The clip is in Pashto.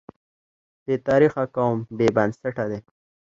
بې تاریخه قوم بې بنسټه دی.